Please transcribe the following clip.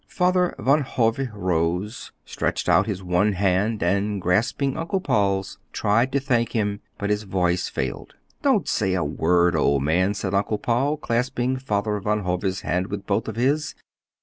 Father Van Hove rose, stretched out his one hand, and, grasping Uncle Paul's, tried to thank him, but his voice failed. "Don't say a word, old man," said Uncle Paul, clasping Father Van Hove's hand with both of his.